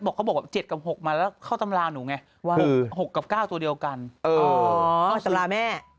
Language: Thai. เขาบอกว่า๗กับ๖มาแล้วเข้าตำราหนูไงว่า๖กับ๙ตัวเดียวกันเข้าตำราแม่